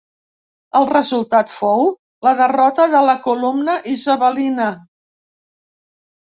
El resultat fou la derrota de la columna isabelina.